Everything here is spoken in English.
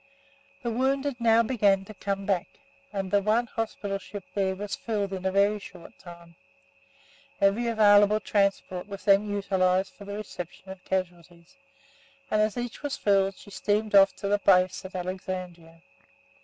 The wounded now began to come back, and the one hospital ship there was filled in a very short time. Every available transport was then utilised for the reception of casualties, and as each was filled she steamed off to the base at Alexandria.